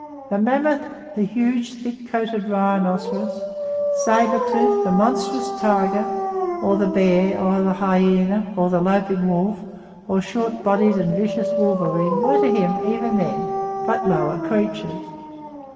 The mammoth, the huge, thick coated rhinoceros, sabre tooth, the monstrous tiger, or the bear, or the hyena, or the loping wolf, or short bodied and vicious wolverine were to him, even then, but lower creatures.